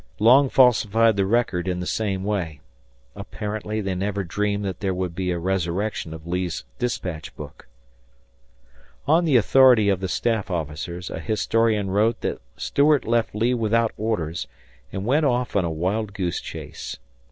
Long falsified the record in the same way. Apparently they never dreamed that there would be a resurrection of Lee's dispatch book. On the authority of the staff officers, a historian wrote that Stuart left Lee without orders and went off on a wild goose chase.